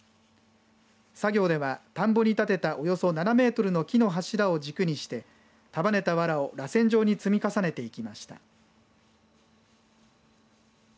作業では田んぼに立てたおよその７メートルの木の柱を軸にして束ねたわらをらせん状に積み重ねていきました。